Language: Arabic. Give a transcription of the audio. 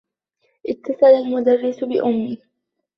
اتّصل المدرّس بأمّي.